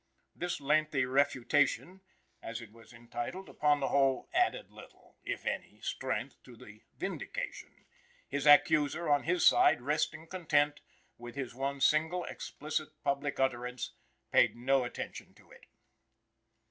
This lengthy "Refutation," as it was entitled, upon the whole added little, if any, strength to the "Vindication." His accuser, on his side, resting content with his one single explicit public utterance, paid no attention to it.